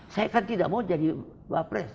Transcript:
saya kan tidak mau jadi wapres